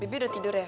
bibi udah tidur ya